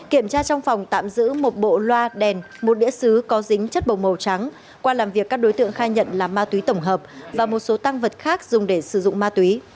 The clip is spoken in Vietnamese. kiểm tra trong phòng tạm giữ một bộ loa đèn một đĩa xứ có dính chất bầu màu trắng qua làm việc các đối tượng khai nhận là ma túy tổng hợp và một số tăng vật khác dùng để sử dụng ma túy